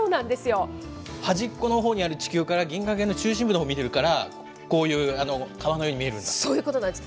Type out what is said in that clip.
端っこのほうにある地球から、銀河系の中心部のほうを見てるから、こういう川のように見えるんそういうことなんです。